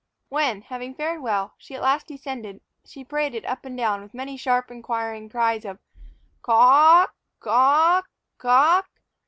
When, having fared well, she at last descended, she paraded up and down, with many sharp, inquiring cries of "C a w k? c a w k? c a w k?"